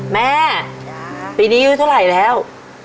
แม่ปีนี้อายุเท่าไหร่แล้ว